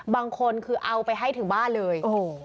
บางคนคือเอาไปให้ถึงบ้านเลย